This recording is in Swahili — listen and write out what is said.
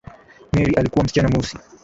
Mary alikuwa msichana mweusi